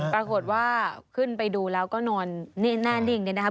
ปรากฏว่าขึ้นไปดูแล้วก็นอนแน่นิ่งเนี่ยนะครับ